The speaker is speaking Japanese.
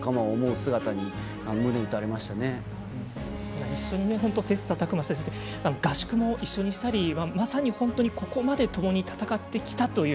姿に一緒に本当に切さたく磨して合宿も一緒にしたりまさに本当に、ここまでともに戦ってきたという。